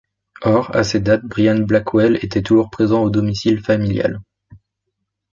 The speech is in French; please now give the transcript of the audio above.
Or, à ces dates, Brian Blackwell était toujours présent au domicile familial.